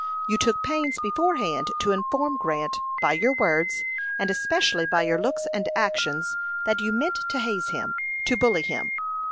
You took pains beforehand to inform Grant, by your words, and especially by your looks and actions, that you meant to haze him, to bully him.